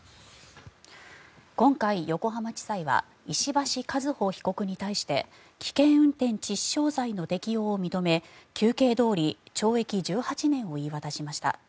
今回、横浜地裁は石橋和歩被告に対して危険運転致死傷罪の適用を認め求刑どおり懲役１８年を言い渡しました。